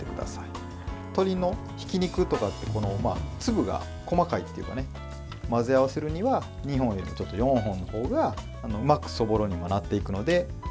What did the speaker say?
鶏のひき肉とかって粒が細かいというか混ぜ合わせるには２本より４本のほうがうまくそぼろにもなっていくので。